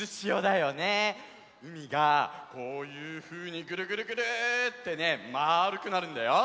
うみがこういうふうにぐるぐるぐるってねまあるくなるんだよ。